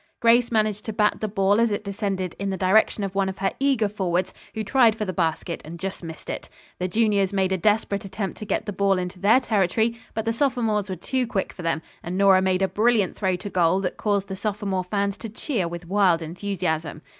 Grace managed to bat the ball as it descended in the direction of one of her eager forwards who tried for the basket and just missed it. The juniors made a desperate attempt to get the ball into their territory, but the sophomores were too quick for them, and Nora made a brilliant throw to goal that caused the sophomore fans to cheer with wild enthusiasm.